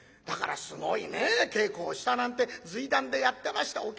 だからすごいね稽古をしたなんて随談でやってました。